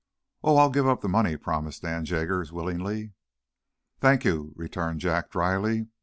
"Oh, I'll give up the money," promised Dan Jaggers, willingly. "Thank you," returned Jack, dryly.